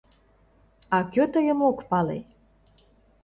— А кӧ тыйым ок пале?